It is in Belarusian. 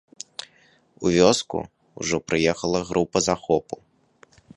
У вёску ўжо прыехала група захопу.